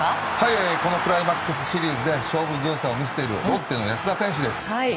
クライマックスシリーズ勝負強さを見せているロッテの安田選手です。